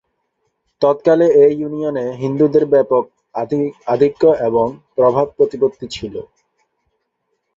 তৎকালে এ ইউনিয়নে হিন্দুদের ব্যাপক আধিক্য ও প্রভাব-প্রতিপত্তি ছিল।